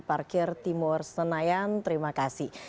parkir timur senayan terima kasih